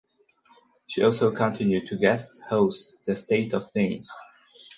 She also continued to guest host "The State of Things".